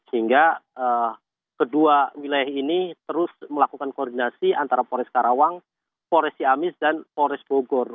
hingga kedua wilayah ini terus melakukan koordinasi antara polres karawang polres ciamis dan polres bogor